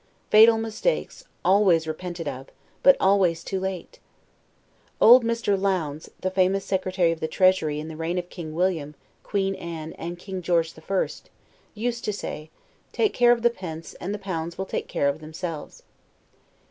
Fatal mistakes, always repented of, but always too late! Old Mr. Lowndes, the famous Secretary of the Treasury in the reigns of King William, Queen Anne, and King George the First, used to say, TAKE CARE OF THE PENCE, AND THE POUNDS WILL TAKE CARE OF THEMSELVES.